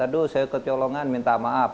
aduh saya kecolongan minta maaf